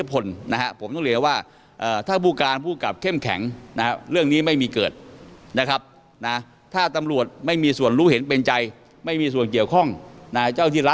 เพราะมันมีคนให้ท้ายค่ะ